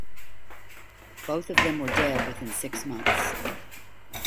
Both of them were dead within six months.